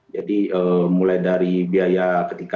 jadi mulai dari biaya ketika